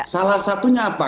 salah satunya apa